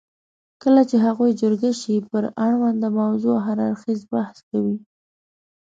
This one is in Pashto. کله چې هغوی جرګه شي پر اړونده موضوع هر اړخیز بحث کوي.